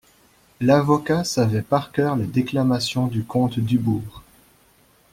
L'avocat savait par cœur les déclamations du comte Dubourg.